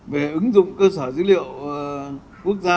về ứng dụng cơ sở dữ liệu quốc gia